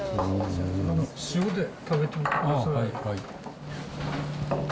塩で食べてみてください。